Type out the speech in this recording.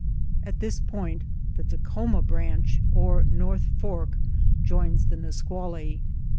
At this point the Takhoma branch or North Fork joins the Nisqually.